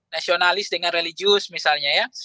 nasionalis dengan religius misalnya ya